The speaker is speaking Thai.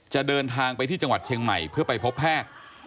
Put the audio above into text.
เดินทางไปที่จังหวัดเชียงใหม่เพื่อไปพบแพทย์